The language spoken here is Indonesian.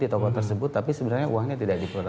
di toko tersebut tapi sebenarnya uangnya tidak diperlukan